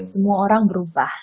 semua orang berubah